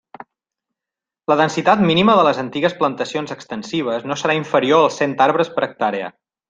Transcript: La densitat mínima de les antigues plantacions extensives no serà inferior als cent arbres per hectàrea.